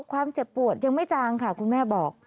ความเจ็บปวดยังไม่จางค่ะคุณแม่บอก